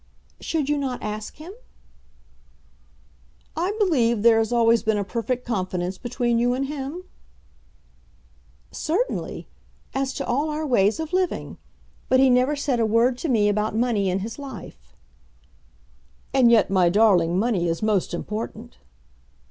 "Should you not ask him?" "I believe there has always been a perfect confidence between you and him?" "Certainly, as to all our ways of living. But he never said a word to me about money in his life." "And yet, my darling, money is most important."